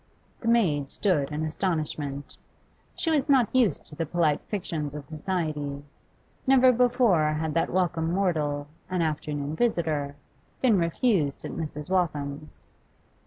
The maid stood in astonishment. She was not used to the polite fictions of society; never before had that welcome mortal, an afternoon visitor, been refused at Mrs. Waltham's.